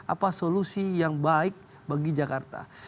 apa solusi yang baik bagi jakarta